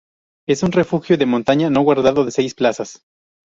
Es un refugio de montaña no guardado de seis plazas.